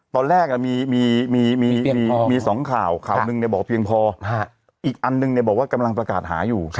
ตอนแรกมี๒ข่าวข่าวหนึ่งบอกเพียงพออีกอันนึงบอกว่ากำลังประกาศหาอยู่